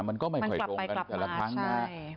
มันก็ไม่ค่อยตรงแต่ละครั้งนะ